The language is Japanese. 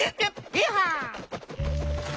イーハー！